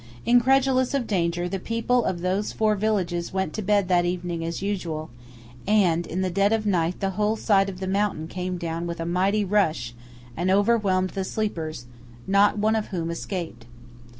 Incredulous of danger, the people of those four villages went to bed that evening as usual, and in the dead of night the whole side of the mountain came down with a mighty rush and overwhelmed the sleepers, not one of whom escaped.